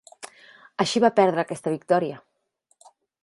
Així va perdre aquesta victòria.